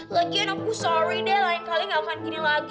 lagian aku sorry deh lain kali gak akan gini lagu